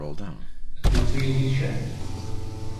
От Матвея Ильича?